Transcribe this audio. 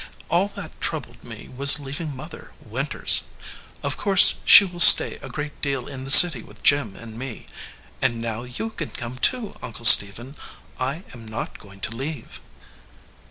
All that troubled me was leaving mother, winters. Of course she will stay a great deal in the city with Jim and me. And now you can come, too, Uncle Stephen. I am not going to leave."